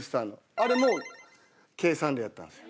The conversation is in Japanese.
あれも計算でやったんですよ。